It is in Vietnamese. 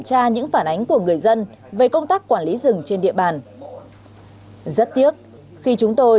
tra những phản ánh của người dân về công tác quản lý rừng trên địa bàn rất tiếc khi chúng tôi